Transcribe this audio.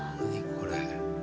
これ。